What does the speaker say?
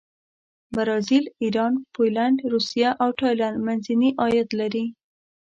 برازیل، ایران، پولینډ، روسیه او تایلنډ منځني عاید لري.